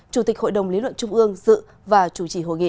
chủ tịch hội đồng lý luận trung ương dự và chủ trì hội nghị